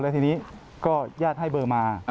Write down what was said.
แล้วเสร็จ์นี้ย่าดให้เบอร์มา